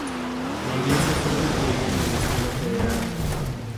La iglesia fue construida en el estilo federal.